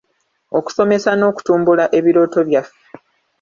Okusomesa n'okutumbula ebirooto byaffe.